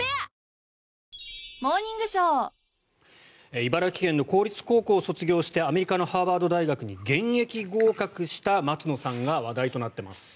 茨城県の公立高校を卒業してアメリカのハーバード大学に現役合格した松野さんが話題となっています。